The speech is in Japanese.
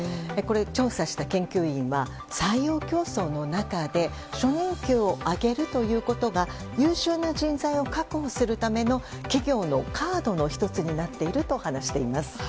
調査した研究員は採用競争の中で初任給を上げるということが優秀な人材を確保するための企業のカードの１つになっていると話しています。